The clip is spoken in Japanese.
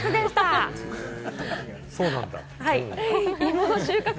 そうなんだ。